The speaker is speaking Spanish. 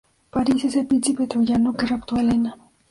Paris es el príncipe troyano que raptó a Helena.